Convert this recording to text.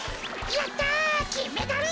やったきんメダル。